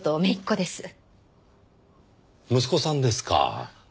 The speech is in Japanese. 息子さんですか。